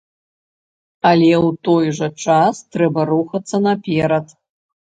Але ў той жа час трэба рухацца наперад.